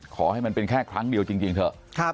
ขอให้มันเป็นแค่ครั้งเดียวจริงเถอะ